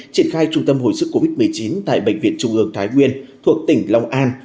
triển khai trung tâm hồi sức covid một mươi chín tại bệnh viện trung ương thái nguyên thuộc tỉnh long an